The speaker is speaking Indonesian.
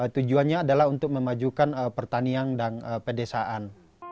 tujuannya adalah untuk memajukan pertanian dan pedesaan